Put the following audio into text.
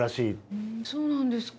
ふんそうなんですか。